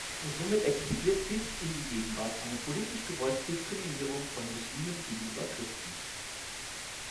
Somit existiert bis in die Gegenwart eine politisch gewollte Diskriminierung von Muslimen gegenüber Christen.